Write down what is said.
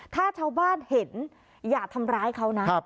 ถ้าชาวบ้านเห็นอย่าทำร้ายเขานะ